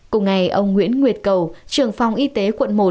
cùng ngày ông nguyễn nguyệt cầu trưởng phòng y tế quận một